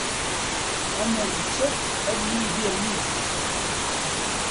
Amer ittaf ad yidir yid-s.